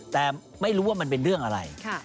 แต่ไม่รู้ว่ามันเป็นเรื่องอะไร